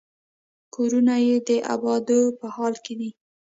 کورونه یې د ابادېدو په حال کې دي.